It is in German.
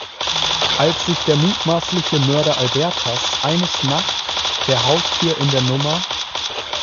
Als sich der mutmaßliche Mörder Albertas eines Nacht der Haustür in der Nr.